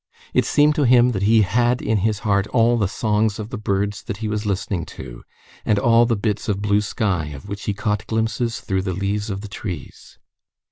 It seemed to him that he had in his heart all the songs of the birds that he was listening to, and all the bits of blue sky of which he caught glimpses through the leaves of the trees.